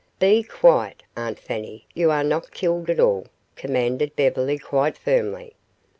"Be quiet, Aunt Fanny; you are not killed at all," commanded Beverly, quite firmly.